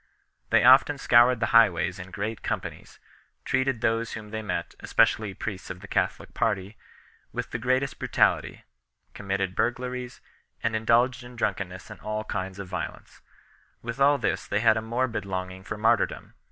They often scoured the highways in great companies, treated those whom they met, especially priests of the Catholic party, with the greatest brutality, committed burglaries, and indulged in drunkenness and all kinds of violence 51 . With all this, they had a morbid longing for martyrdom.